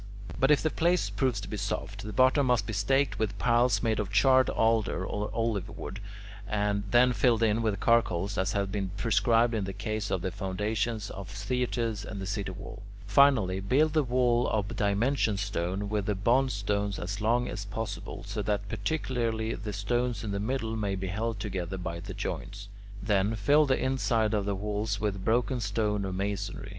But if the place proves to be soft, the bottom must be staked with piles made of charred alder or olive wood, and then filled in with charcoal as has been prescribed in the case of the foundations of theatres and the city wall. Finally, build the wall of dimension stone, with the bond stones as long as possible, so that particularly the stones in the middle may be held together by the joints. Then, fill the inside of the wall with broken stone or masonry.